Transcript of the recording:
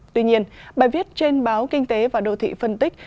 tuy nhiên bài viết trên báo kinh tế và đô thị phân tích